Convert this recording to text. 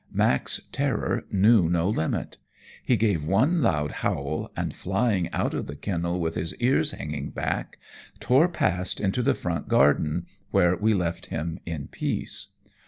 Mack's terror knew no limit. He gave one loud howl, and flying out of the kennel with his ears hanging back, tore past into the front garden, where we left him in peace.